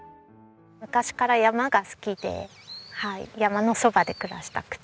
昔から山が好きで山のそばで暮らしたくて。